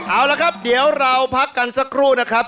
เอาละครับเดี๋ยวเราพักกันสักครู่นะครับ